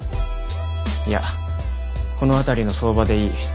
いやこの辺りの相場でいい。